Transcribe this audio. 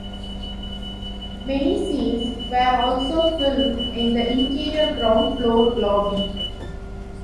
Many scenes were also filmed in the interior ground-floor lobby.